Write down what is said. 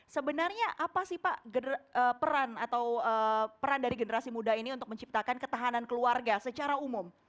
sebenarnya apa sih pak peran atau peran dari generasi muda ini untuk menciptakan ketahanan keluarga secara umum